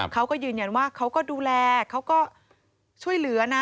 เขาก็ยืนยันว่าเขาก็ดูแลเขาก็ช่วยเหลือนะ